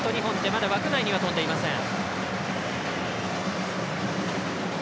まだ枠内には飛んでいません。